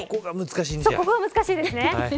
ここが難しいですね。